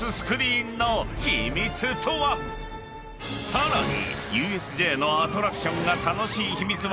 ［さらに］